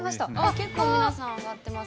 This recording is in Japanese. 結構皆さん上がってます。